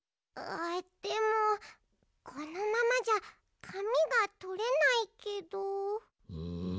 あっでもこのままじゃかみがとれないけど。